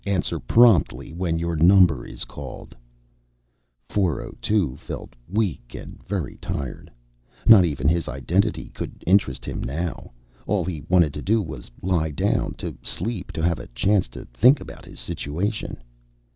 Answer promptly when your number is called." 402 felt weak and very tired. Not even his identity could interest him now. All he wanted to do was lie down, to sleep, to have a chance to think about his situation.